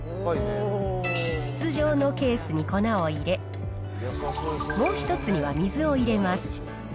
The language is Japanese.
筒状のケースに粉を入れ、もう１つには水を入れます。